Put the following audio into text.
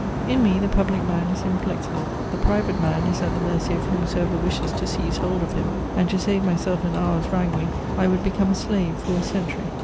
In me the public man is inflexible; the private man is at the mercy of whomsoever wishes to seize hold of him, and, to save myself an hour's wrangling, I would become a slave for a century.